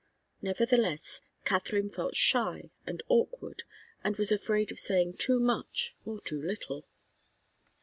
Nevertheless Katharine felt shy and awkward, and was afraid of saying too much or too little.